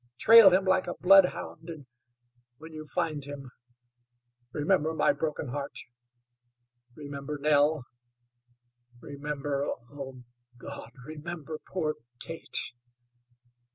Trail him like a bloodhound, and when you find him remember my broken heart, remember Nell, remember, oh, God! remember poor Kate!"